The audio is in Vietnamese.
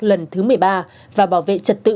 lần thứ một mươi ba và bảo vệ trật tự